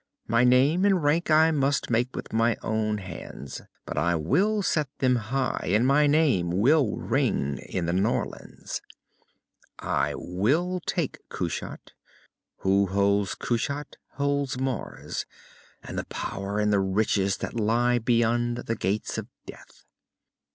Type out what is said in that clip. My name and rank I must make with my own hands. But I will set them high, and my name will ring in the Norlands! "I will take Kushat. Who holds Kushat, holds Mars and the power and the riches that lie beyond the Gates of Death!"